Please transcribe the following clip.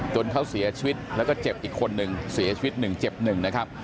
จนเขาเสียชีวิตแล้วก็เจ็บอีกคนหนึ่งเสียชีวิตหนึ่งเจ็บหนึ่งนะครับ